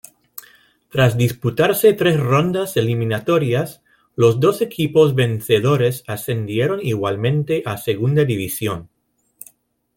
Tras disputarse tres rondas eliminatorias los dos equipos vencedores ascendieron igualmente a Segunda División.